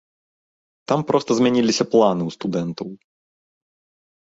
Там проста змяніліся планы ў студэнтаў.